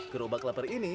kerobak laper ini